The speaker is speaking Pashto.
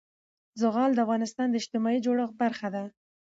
زغال د افغانستان د اجتماعي جوړښت برخه ده.